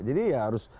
jadi ya harus